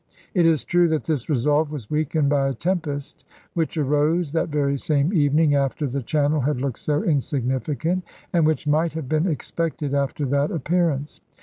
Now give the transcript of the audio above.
It is true that this resolve was weakened by a tempest which arose that very same evening after the Channel had looked so insignificant, and which might have been expected after that appearance.